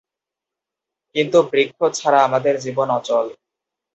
কিন্তু বৃক্ষ ছাড়া আমাদের জীবন অচল।